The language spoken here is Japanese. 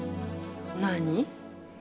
何？